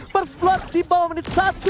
first blood di bawah menit satu